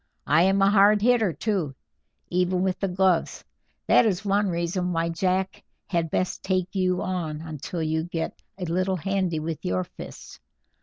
I am a hard hitter, too, even with the gloves; that is one reason why Jack had best take you on until you get a little handy with your fists.